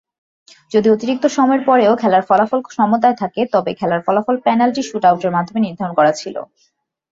যদি অতিরিক্ত সময়ের পরেও খেলার ফলাফল সমতায় থাকে, তবে খেলার ফলাফল পেনাল্টি শুট-আউটের মাধ্যমে নির্ধারণ করা ছিল।